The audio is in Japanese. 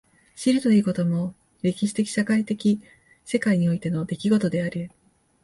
知るということも歴史的社会的世界においての出来事である。